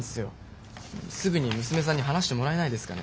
すぐに娘さんに話してもらえないですかね？